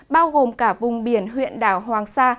bao gồm cả vùng biển huyện đảo hoàng sa